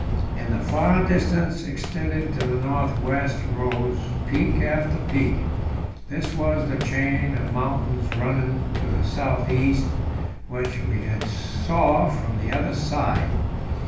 In the far distance, extending to the north west, rose peak after peak; this was the chain of mountains running to the south east, which we now saw from the other side.